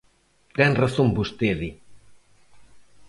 Ten razón vostede.